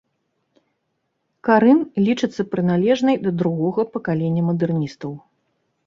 Карын лічыцца прыналежнай да другога пакалення мадэрністаў.